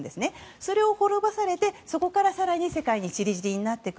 それを滅ぼされて、そこから更に世界に散り散りになっていく。